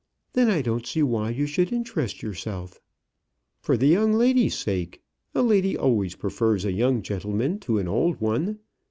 "Then I don't see why you should interest yourself." "For the young lady's sake. A lady always prefers a young gentleman to an old one.